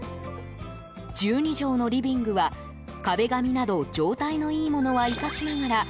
１２畳のリビングは、壁紙など状態のいいものは生かしながら